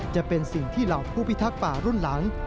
จะเป็นสิ่งที่เหล่าผู้พิทักษ์ป่ารุ่นหลัง